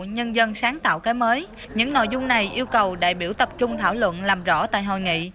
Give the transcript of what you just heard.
nhân dân sáng tạo cái mới những nội dung này yêu cầu đại biểu tập trung thảo luận làm rõ tại hội nghị